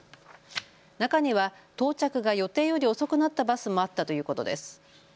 中には到着が予定より遅くなったバスもあったということです。